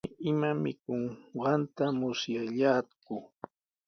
Manami ima mikunqanta musyallaaku.